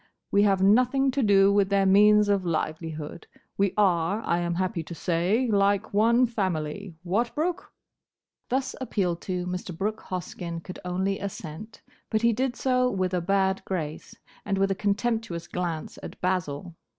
We have nothing to do with their means of livelihood; we are, I am happy to say, like one family. What, Brooke?" Thus appealed to, Mr. Brooke Hoskyn could only assent: but he did so with a bad grace, and with a contemptuous glance at Basil.